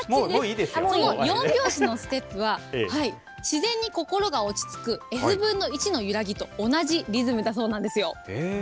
４拍子のステップは、自然に心が落ち着く、ｆ分の１のゆらぎと同じリズムだそうなんですよ。